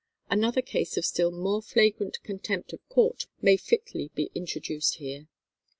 Another case of still more flagrant contempt of court may fitly be introduced here.